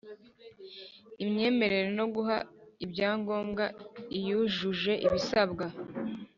imyemerere no guha ibyangombwa iyujuje ibisabwa